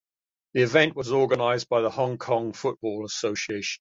The event was organized by the Hong Kong Football Association.